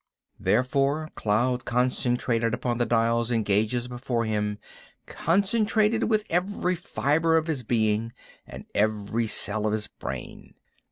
Therefore Cloud concentrated upon the dials and gauges before him; concentrated with every fiber of his being and every cell of his brain.